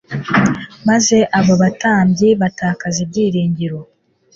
maze abo batambyi batakaza ibyiringiro